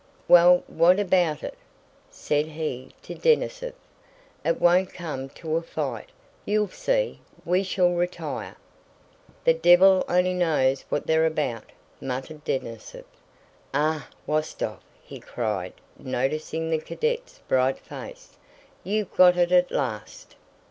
"Well, what about it?" said he to Denísov. "It won't come to a fight. You'll see—we shall retire." "The devil only knows what they're about!" muttered Denísov. "Ah, Wostóv," he cried noticing the cadet's bright face, "you've got it at last."